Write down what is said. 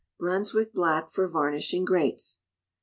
Brunswick Black for Varnishing Grates.